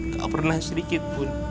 gak pernah sedikit pun